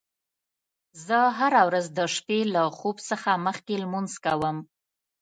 زه هره ورځ د شپې له خوب څخه مخکې لمونځ کوم